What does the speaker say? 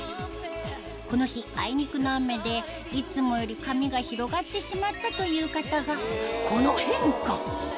この日あいにくの雨でいつもより髪が広がってしまったという方がこの変化！